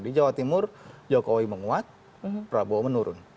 di jawa timur jokowi menguat prabowo menurun